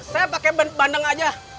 saya pakai bandeng aja